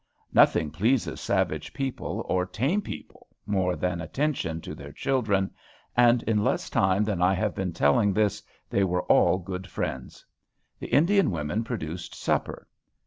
Nothing pleases savage people or tame people more than attention to their children, and in less time than I have been telling this they were all good friends. The Indian women produced supper.